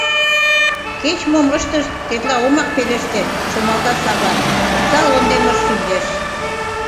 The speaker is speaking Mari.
— Кеч-мом ыштышт, тетла омак пелеште, — шоналта Сава, омса лондемыш шинчеш.